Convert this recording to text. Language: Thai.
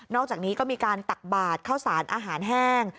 อกจากนี้ก็มีการตักบาดข้าวสารอาหารแห้ง